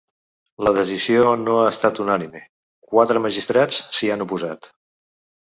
La decisió no ha estat unànime: quatre magistrats s’hi han oposat.